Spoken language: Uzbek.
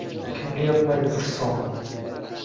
Kimga yoqmaydi bir so‘m.